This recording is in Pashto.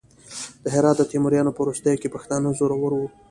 د هرات د تیموریانو په وروستیو کې پښتانه زورور وو.